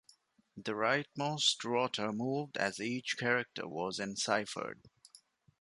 The rightmost rotor moved as each character was enciphered.